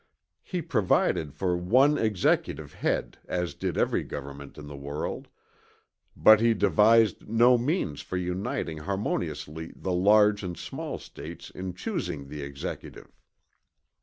He provided for one Executive head as did every government in the world, but he devised no means for uniting harmoniously the large and small States in choosing the Executive.